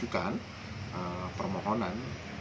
kita mengajukan permohonan